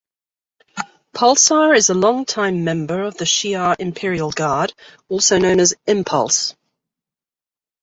Pulsar is a long-time member of the Shi'ar Imperial Guard, also known as Impulse.